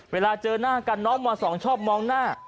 เวลาเจอหน้ากันน้องม๒ชอบมองหน้า